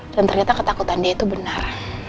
dan ternyata ketakutan dia itu benar